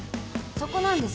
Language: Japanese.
そこなんです。